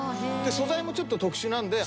素材もちょっと特殊なんで。